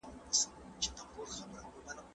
ښوونکی د زدهکوونکو د وړتیاوو پېژندنه کوي.